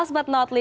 oke bagus sekali